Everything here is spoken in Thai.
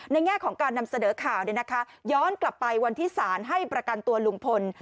แง่ของการนำเสนอข่าวย้อนกลับไปวันที่สารให้ประกันตัวลุงพล